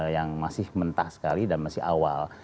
yang masih mentah sekali dan masih awal